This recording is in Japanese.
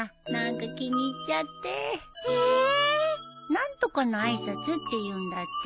何とかの挨拶って言うんだって。